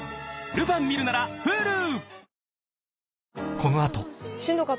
『ルパン』見るならＨｕｌｕ！